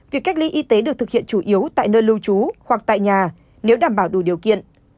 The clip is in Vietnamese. việc cách ly y tế được thực hiện chủ yếu tại nơi lưu trú hoặc tại nhà nếu đảm bảo đủ điều kiện